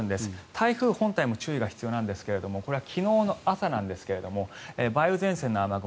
台風本体も注意が必要なんですがこれは昨日の朝なんですが梅雨前線の雨雲